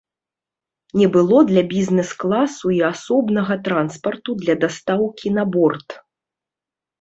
Не было для бізнес-класу і асобнага транспарту для дастаўкі на борт.